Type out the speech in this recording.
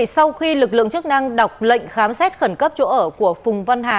sau khi lực lượng chức năng đọc lệnh khám xét khẩn cấp chỗ ở của phùng văn hà